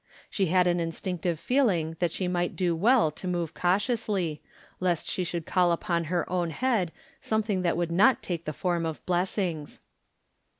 She had an instinctive feeling that she might do well to move cau tiously, lest she should call down upon her own head something that would not take the form of blessings.